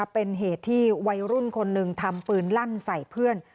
เป็นเหตุที่วัยรุ่นคนหนึ่งทำปืนลั่นใส่เพื่อน